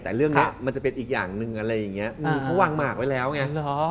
แต่เรื่องนี้มันจะเป็นอีกอย่างหนึ่งอะไรอย่างเงี้ยเขาวางหมากไว้แล้วไง